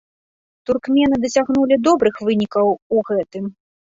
Туркмены дасягнулі добрых вынікаў у гэтым.